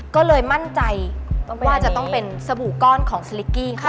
ก็เลยมั่นใจว่าจะต้องเป็นสบู่ก้อนของสลิกกี้ค่ะ